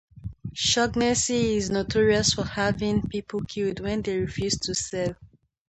Shaughnessy is notorious for having people killed when they refuse to sell.